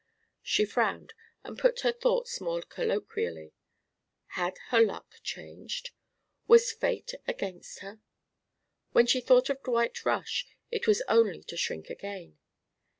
She frowned and put her thoughts more colloquially. Had her luck changed? Was Fate against her? When she thought of Dwight Rush, it was only to shrink again.